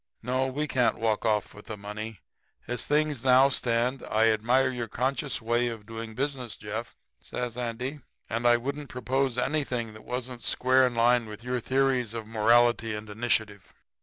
No, we can't walk off with the money as things now stand. I admire your conscious way of doing business, Jeff,' says Andy, 'and I wouldn't propose anything that wasn't square in line with your theories of morality and initiative.